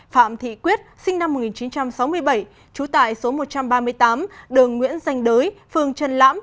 phạm thị quyết sinh năm một nghìn chín trăm sáu mươi bảy trú tại số một trăm ba mươi tám đường nguyễn danh đới phường trần lãm